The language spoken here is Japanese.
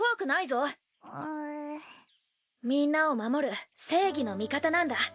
ぞううみんなを守る正義の味方なんだ